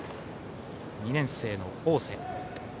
２年生の大瀬。